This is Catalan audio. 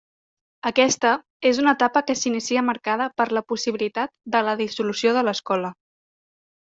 Aquesta és una etapa que s’inicia marcada per la possibilitat de la dissolució de l’escola.